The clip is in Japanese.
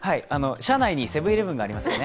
社内にセブン−イレブンがありますから。